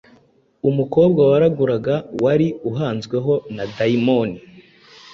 umukobwa waraguraga wari uhanzweho na dayimoni